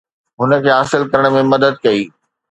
هن کي حاصل ڪرڻ ۾ مدد ڪئي